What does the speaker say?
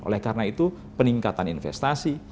oleh karena itu peningkatan investasi